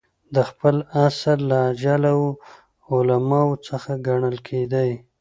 د خپل عصر له اجله وو علماوو څخه ګڼل کېدئ.